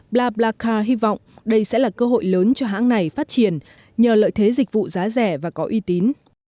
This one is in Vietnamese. bla plaka hy vọng đây sẽ là cơ hội lớn cho hãng này phát triển nhờ lợi thế dịch vụ giá rẻ và có uy tín